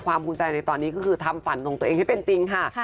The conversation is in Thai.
ความคุ้มใจในตอนนี้ก็คือทำฝันตัวเองให้เป็นจริงค่ะ